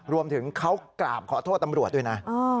รวมถึงเขากราบขอโทษตำรวจด้วยนะ